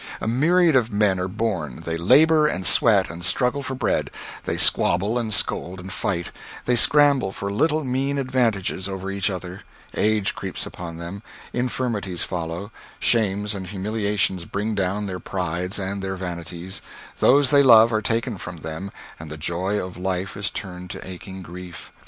A myriad of men are born; they labor and sweat and struggle for bread; they squabble and scold and fight; they scramble for little mean advantages over each other; age creeps upon them; infirmities follow; shames and humiliations bring down their prides and their vanities; those they love are taken from them, and the joy of life is turned to aching grief.